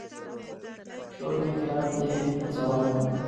شور مې اعتراف دی په زوال باندې